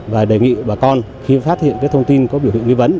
và đề nghị bà con khi phát hiện thông tin có biểu hiện nghi vấn